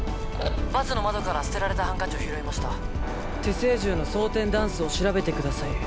バスの窓から捨てられたハンカチを拾いました「手製銃の装填弾数を調べてください」